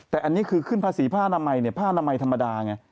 แต่อันนี้คือขึ้นภาษีภาษณ์อนามัยเนี่ยภาษณ์อนามัยธรรมดาไง